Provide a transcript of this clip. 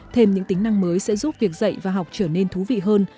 thêm những tính năng mới sẽ giúp việc dạy và học trở nên thú vị hơn